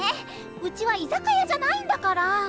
うちは居酒屋じゃないんだから！